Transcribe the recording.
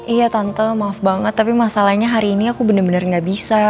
iya tante maaf banget tapi masalahnya hari ini aku bener bener gak bisa